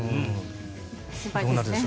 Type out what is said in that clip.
心配ですね。